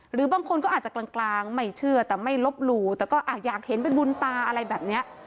หรือบางคนก็อาจจะกลางไม่เชื่อแต่ไม่ลบหลู่แต่ก็อยากเห็นเป็นบุญตาอะไรแบบนี้